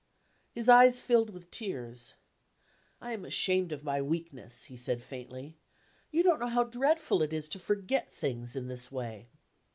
His eyes filled with tears. "I am ashamed of my weakness," he said faintly. "You don't know how dreadful it is to forget things in this way."